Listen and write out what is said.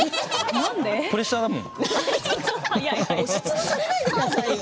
プレッシャーだもん。